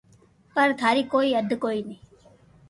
پر ٿاري ڪوئي ھد ڪوئي ھي